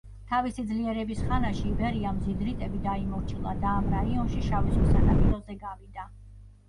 თავისი ძლიერების ხანაში იბერიამ ზიდრიტები დაიმორჩილა და ამ რაიონში შავი ზღვის სანაპიროზე გავიდა.